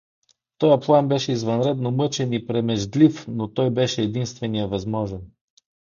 Тоя план беше извънредно мъчен и премеждлив, но той беше единствения възможен.